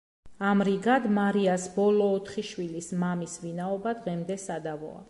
ამრიგად, მარიას ბოლო ოთხი შვილის მამის ვინაობა დღემდე სადავოა.